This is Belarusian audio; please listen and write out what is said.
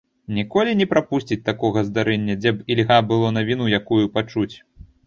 Ніколі не прапусціць такога здарэння, дзе б ільга было навіну якую пачуць.